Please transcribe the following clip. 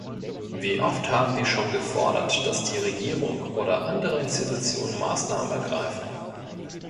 Wie oft haben wir schon gefordert, dass die Regierung oder andere Institutionen Maßnahmen ergreifen?